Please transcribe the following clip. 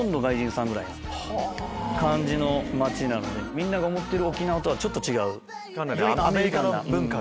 みんなが思ってる沖縄とはちょっと違う。